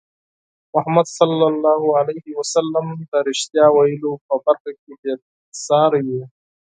محمد صلى الله عليه وسلم د رښتیا ویلو په برخه کې بې ساری وو.